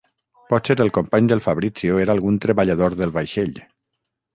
Potser el company del Fabrizio era algun treballador del vaixell.